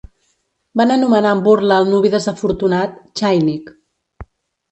Van anomenar amb burla al nuvi desafortunat "chainik".